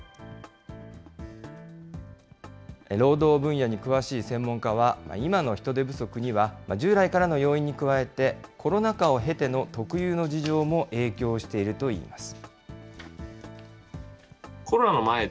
労働分野に詳しい専門家は、今の人手不足には、従来からの要因に加えて、コロナ禍を経ての特有の事情も影響しているといいます。